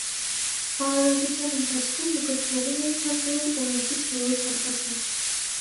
Արարողության ընթացքում «մկրտվողին» էին հանձնվում օրենքից որոշ հատվածներ։